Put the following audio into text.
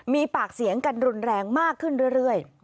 มีปากเสียงกันรุนแรงมากขึ้นเรื่อย